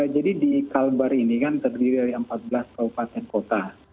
jadi di kalbar ini kan terdiri dari empat belas kabupaten kota